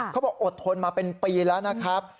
เขาบอกอดทนมาเป็นปีแล้วนะครับ